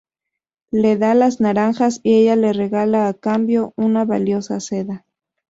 Le da las naranjas y ella le regala, a cambio, una valiosa seda.